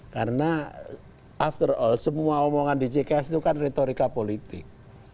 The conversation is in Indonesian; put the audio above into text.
karena after all semua omongan di cks itu kan retorika politik